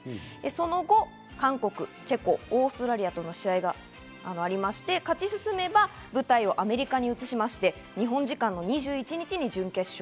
その後、韓国、チェコ、オーストラリアとの試合がありまして、勝ち進めば舞台をアメリカに移して日本時間の２１日に準決勝。